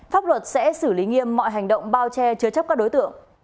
pháp luật sẽ xử lý nghiêm mọi hành động bao che chứa chấp các đối tượng